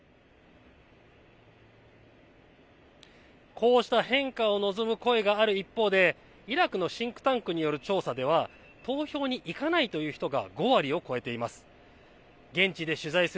こうした変化を望む声がある一方でイラクのシンクタンクによる調査では投票に行かないという人が５割を超えています。